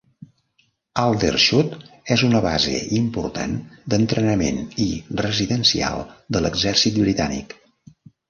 Aldershot és una base important d'entrenament i residencial de l'exèrcit britànic.